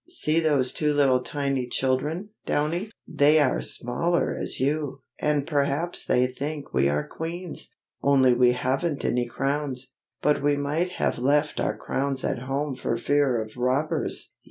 See those two little tiny children, Downy! They are smaller as you, and perhaps they think we are queens, only we haven't any crowns; but we might have left our crowns at home for fear of robbers."